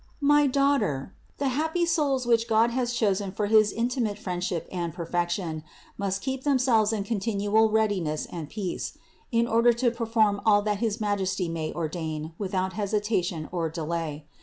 311. My daughter, the happy souls which God has chosen for his intimate friendship and perfection must keep themselves in continual readiness and peace, in order to perform all that his Majesty may ordain without hesi tation or delay.